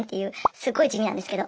すっごい地味なんですけど。